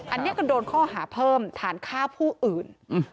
อันนี้ก็โดนข้อหาเพิ่มฐานฆ่าผู้อื่น